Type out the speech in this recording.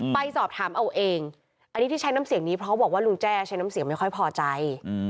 ไปสอบถามเอาเองอันนี้ที่ใช้น้ำเสียงนี้เพราะบอกว่าลุงแจ้ใช้น้ำเสียงไม่ค่อยพอใจ